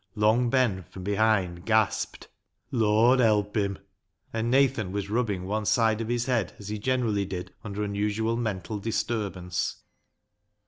Long Ben, from behind, gasped, " Lord, help him," and Nathan was rubbing one side of his head, as he generally did under unusual mental disturbance.